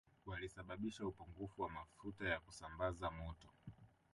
Walisababisha upungufu wa mafuta ya kusambaza moto